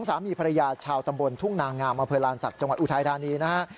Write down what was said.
สามีภรรยาชาวตำบลทุ่งนางงามอำเภอลานศักดิ์จังหวัดอุทัยธานีนะฮะ